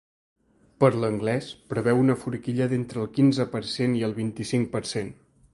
Per l’anglès preveu una forquilla d’entre el quinze per cent i el vint-i-cinc per cent.